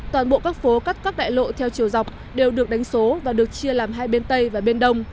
toàn bộ các phố cắt các đại lộ theo chiều dọc đều được đánh số và được chia làm hai bên tây và bên đông